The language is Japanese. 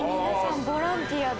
ボランティアで。